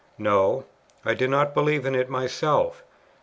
No, I did not believe in it myself.